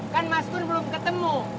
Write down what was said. kan mas kur belum ketemu